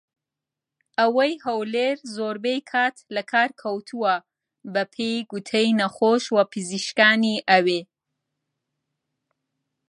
ئەوەی هەولێر زۆربەی کات لە کار کەوتووە بە پێی گوتەی نەخۆش و پزیشکانی ئەوێ